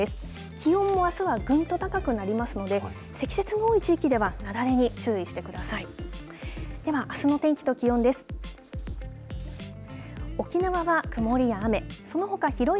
気温もあすはぐんと高くなりますので、積雪が多い地域では、雪崩に注意してください。